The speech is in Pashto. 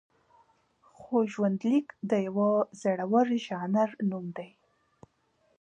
خو ژوندلیک د یوه زړور ژانر نوم دی.